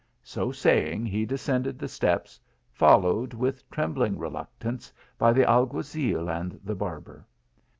So saying he descended the steps, followed, with trembling re luctance, by the alguazil and the barber.